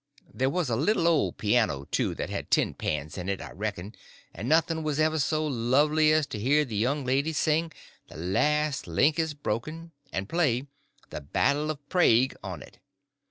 There was a little old piano, too, that had tin pans in it, I reckon, and nothing was ever so lovely as to hear the young ladies sing "The Last Link is Broken" and play "The Battle of Prague" on it.